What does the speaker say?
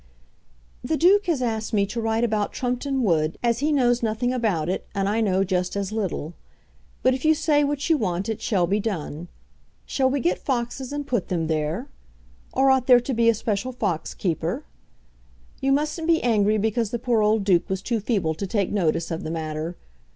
] The Duke has asked me to write about Trumpeton Wood, as he knows nothing about it, and I know just as little. But if you say what you want, it shall be done. Shall we get foxes and put them there? Or ought there to be a special fox keeper? You mustn't be angry because the poor old Duke was too feeble to take notice of the matter.